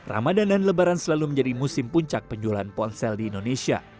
ramadan dan lebaran selalu menjadi musim puncak penjualan ponsel di indonesia